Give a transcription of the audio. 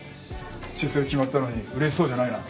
出世が決まったのにうれしそうじゃないな？